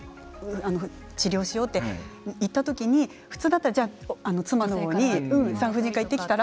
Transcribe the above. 治療しようって言った時に普通だったら妻の方が産婦人科に行ってきたら？